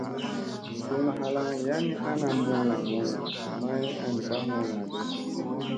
Suuna halaŋ yan ni ana mulla mulla, may an ka mulla di.